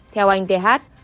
theo anh th